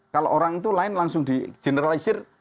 kalau orang itu lain langsung di generalisir